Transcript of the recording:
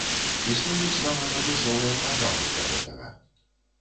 Існуюць нават адмысловыя праграмы для гэтага.